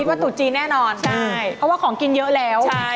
คิดว่าตุ๊กจีนแน่นอนดีกว่าของกินเยอะแล้วค่ะพี่ใช่